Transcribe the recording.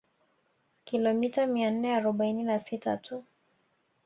Kilomita mia nne arobaini na sita tu